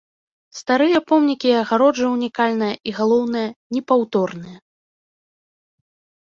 Старыя помнікі і агароджы ўнікальныя і, галоўнае, непаўторныя.